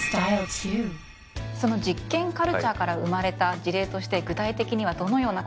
その「実験カルチャー」から生まれた事例として具体的にはどのようなことがありますか？